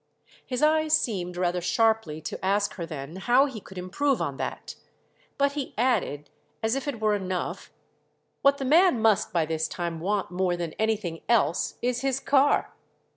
His eyes seemed rather sharply to ask her then how he could improve on that; but he added as if it were enough: "What the man must by this time want more than anything else is his car."